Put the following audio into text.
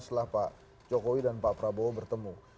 setelah pak jokowi dan pak prabowo bertemu